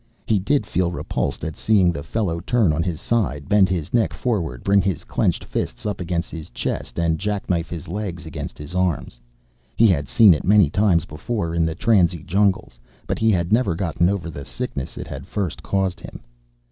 He did feel repulsed at seeing the fellow turn on his side, bend his neck forward, bring his clenched fists up against his chest, and jackknife his legs against his arms. He had seen it many times before in the transie jungles, but he had never gotten over the sickness it had first caused him.